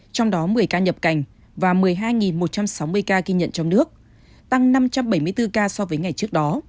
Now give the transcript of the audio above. trong đó một mươi ca nhập cảnh và một mươi hai một trăm sáu mươi ca ghi nhận trong nước tăng năm trăm bảy mươi bốn ca so với ngày trước đó